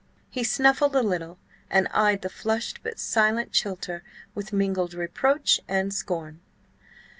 He snuffled a little, and eyed the flushed but silent Chilter with mingled reproach and scorn.